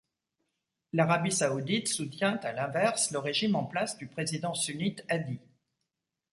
L'Arabie Saoudite soutient à l'inverse le régime en place du président sunnite Hadi.